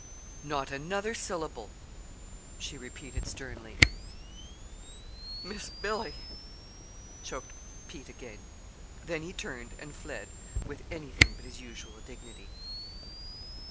"Not another syllable!" she repeated sternly. "Miss Billy!" choked Pete again. Then he turned and fled with anything but his usual dignity.